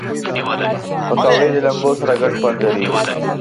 پکورې د لمبو سره ګډ خوند لري